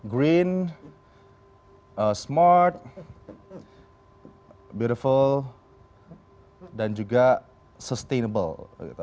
green smart beaufal dan juga sustainable